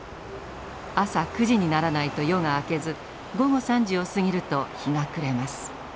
朝９時にならないと夜が明けず午後３時を過ぎると日が暮れます。